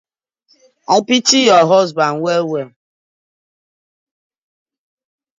I pity yu husban well well.